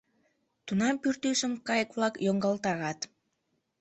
Тунам пӱртӱсым кайык-влак йоҥгалтарат.